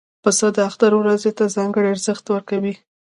پسه د اختر ورځې ته ځانګړی ارزښت ورکوي.